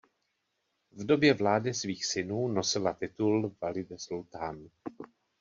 V době vlády svých synů nosila titul Valide sultan.